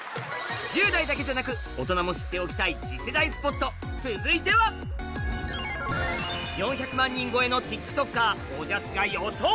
１０代だけじゃなく大人も知っておきたい次世代スポット続いては４００万人超えのＴｉｋＴｏｋｅｒおじゃすが予想！